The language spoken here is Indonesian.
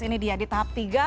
ini dia di tahap tiga